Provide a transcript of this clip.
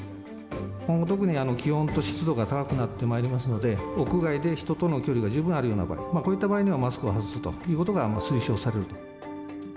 今、特に気温と湿度が高くなってまいりますので、屋外で人との距離が十分あるような場合、こういうときにはマスクを外すということが推奨されると。